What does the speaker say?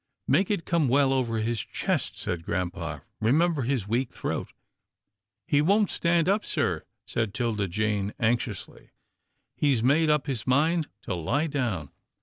" Make it come well over his chest," said grampa, " remember his weak throat." " He won't stand up, sir," said 'Tilda Jane anx iously, " he's made up his mind to lie down."